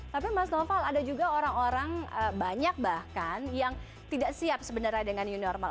tapi mas noval ada juga orang orang banyak bahkan yang tidak siap sebenarnya dengan new normal